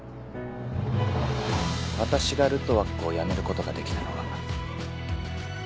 私がルトワックを辞めることができたのは。